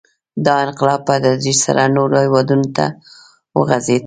• دا انقلاب په تدریج سره نورو هېوادونو ته وغځېد.